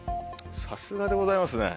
さすがでございますね。